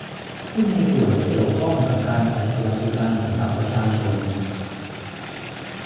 ซึ่งในส่วนที่เกี่ยวข้องกับการจัดสวัสดิการสำหรับประชาชน